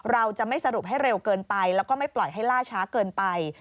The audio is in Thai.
เราจะไม่สรุปให้เร็วเกินไปแล้วก็ไม่ปล่อยให้ล่าช้าเกินไป